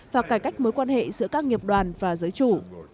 và cải cách mối quan hệ giữa các nghiệp đoàn và giới chủ